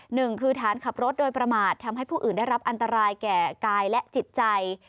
หนึ่งคือฐานขับรถโดยประมาททำให้ผู้อื่นได้รับอันตรายแก่กายและจิตใจ